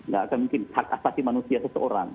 nggak akan mungkin hak asasi manusia seseorang